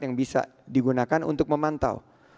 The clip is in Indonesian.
yang bisa digunakan untuk memantau